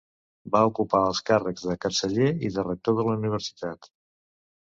Va ocupar els càrrecs de Canceller i de Rector de la Universitat.